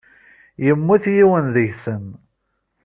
Yemmut yiwen deg-sen.